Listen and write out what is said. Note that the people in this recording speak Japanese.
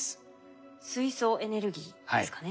水素エネルギーですかね。